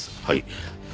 はい。